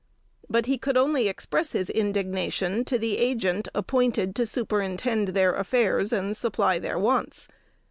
But he could only express his indignation to the Agent appointed to superintend their affairs and supply their wants.